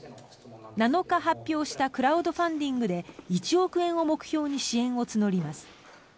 ７日に発表したクラウドファンディングで１億円を目標に支援を募ります。